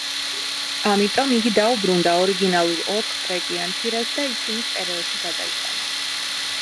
ამიტომ იგი დაუბრუნდა ორიგინალურ ოთხტრეკიან ფირებს და ისინი სტერეოში გადაიყვანა.